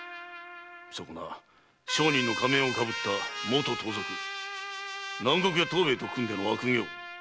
そこな商人の仮面をかぶったもと盗賊南国屋藤兵衛と組んでの悪行